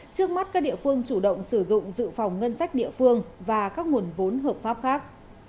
trước mắt các địa phương chủ động sử dụng dự phòng ngân sách địa phương và các nguồn vốn hợp pháp khác